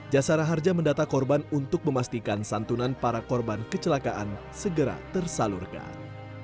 jasara harja mendata korban untuk memastikan santunan para korban kecelakaan segera tersalurkan